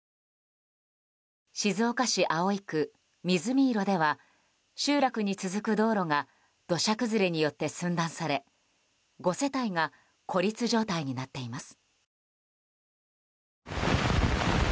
静岡市葵区水見色では集落に続く道路が土砂崩れによって寸断され５世帯が孤立状態になっています。